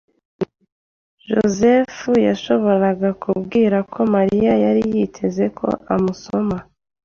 Joseph yashoboraga kubwira ko Mariya yari yiteze ko amusoma.